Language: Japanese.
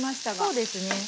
そうですね。